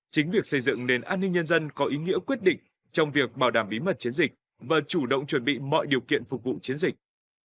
chính việc xây dựng nền an ninh nhân dân có ý nghĩa quyết định trong việc bảo đảm bí mật chiến dịch và chủ động chuẩn bị mọi điều kiện phục vụ chiến dịch